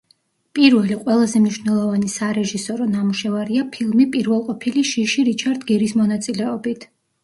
პირველი ყველაზე მნიშვნელოვანი სარეჟისორო ნამუშევარია ფილმი „პირველყოფილი შიში“ რიჩარდ გირის მონაწილეობით.